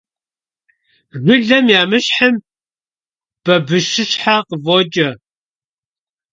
Jjılem yamışhım babışışhe khıf'oç'e.